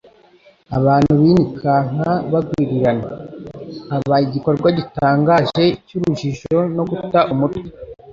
Abantu binikanka bagwirirana. Haba igikorwa gitangaje cy'umjijo no guta umutwe.